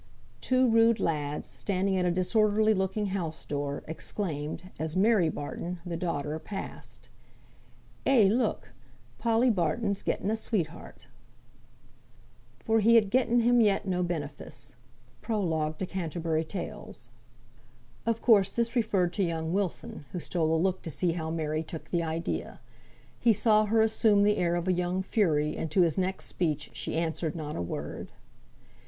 Two rude lads, standing at a disorderly looking house door, exclaimed, as Mary Barton (the daughter) passed, "Eh, look! Polly Barton's gotten a sweetheart." Of course this referred to young Wilson, who stole a look to see how Mary took the idea. He saw her assume the air of a young fury, and to his next speech she answered not a word.